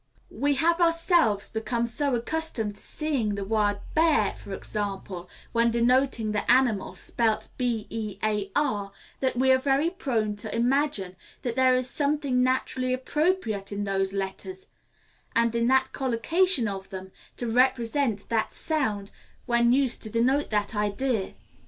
We have ourselves become so accustomed to seeing the word bear, for example, when denoting the animal, spelt b e a r, that we are very prone to imagine that there is something naturally appropriate in those letters and in that collocation of them, to represent that sound when used to denote that idea.